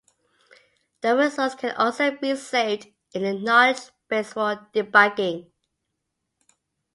The results can also be saved in a knowledge base for debugging.